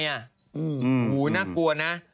หนูนักกลัวนะ